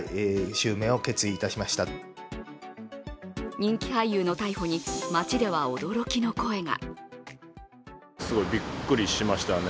人気俳優の逮捕に街では驚きの声が。